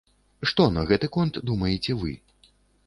Што на гэты конт думаеце вы?